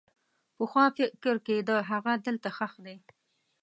پخوا فکر کېده هغه دلته ښخ دی.